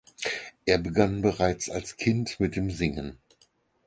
Er begann bereits als Kind mit dem Singen.